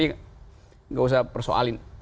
nggak usah persoalin